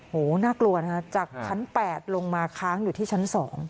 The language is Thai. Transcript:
โอ้โหน่ากลัวนะคะจากชั้น๘ลงมาค้างอยู่ที่ชั้น๒